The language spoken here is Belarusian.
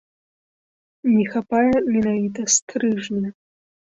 Не хапае менавіта стрыжня.